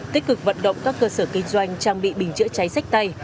tích cực vận động các cơ sở kinh doanh trang bị bình chữa cháy sách tay